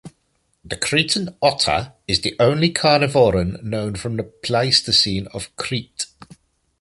The Cretan otter is the only carnivoran known from the Pleistocene of Crete.